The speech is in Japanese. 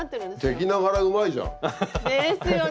敵ながらうまいじゃん。ですよね。